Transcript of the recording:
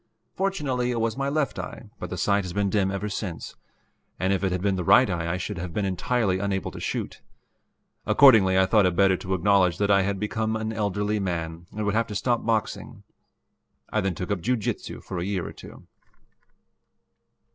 Fortunately it was my left eye, but the sight has been dim ever since, and if it had been the right eye I should have been entirely unable to shoot. Accordingly I thought it better to acknowledge that I had become an elderly man and would have to stop boxing. I then took up jiu jitsu for a year or two.